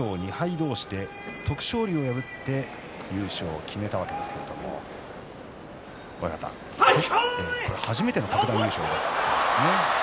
同士で徳勝龍を破って優勝を決めたわけですけれども親方、これが初めての各段優勝だったんですね。